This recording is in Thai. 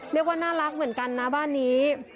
เรียกว่าน่ารักเหมือนกันนะบ้านนี้